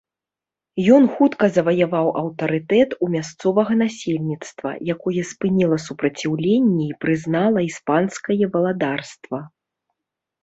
Ён хутка заваяваў аўтарытэт у мясцовага насельніцтва, якое спыніла супраціўленне і прызнала іспанскае валадарства.